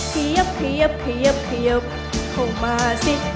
เขยับเขยับเขยับเข้ามาสิ